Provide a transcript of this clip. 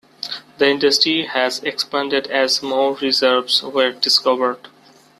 The industry has expanded as more reserves were discovered.